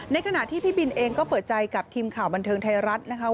ในขณะที่พี่บินเองก็เปิดใจกับทีมข่าวบันเทิงไทยรัฐนะคะ